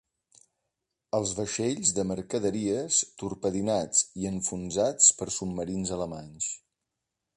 Els vaixells de mercaderies torpedinats i enfonsats per submarins alemanys.